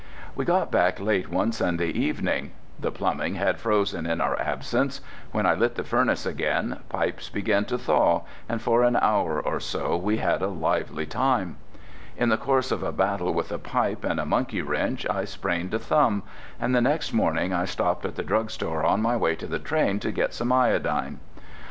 We got back late one Sunday evening. The plumbing had frozen in our absence; when I lit the furnace again, pipes began to thaw and for an hour or so we had a lively time. In the course of a battle with a pipe and a monkey wrench I sprained a thumb, and the next morning I stopped at the drugstore on my way to the train to get some iodine.